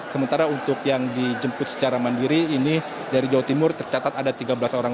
sementara untuk yang dijemput secara mandiri ini dari jawa timur tercatat ada tiga belas orang